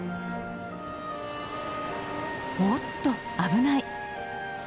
おおっと危ない。